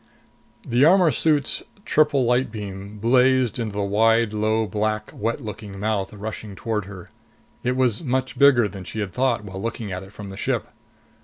The armor suit's triple light beam blazed into the wide, low, black, wet looking mouth rushing toward her. It was much bigger than she had thought when looking at it from the ship.